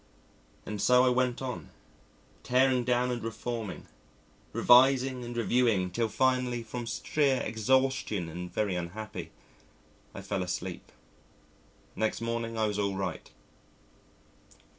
And so I went on, tearing down and reforming, revising and reviewing, till finally from sheer exhaustion and very unhappy I fell asleep. Next morning I was all right.